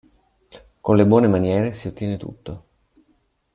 Con le buone maniere si ottiene tutto.